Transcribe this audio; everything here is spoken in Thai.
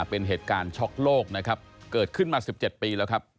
เป็นเหตุการณ์ช็อกโลกนะครับเกิดขึ้นมา๑๗ปีแล้วครับ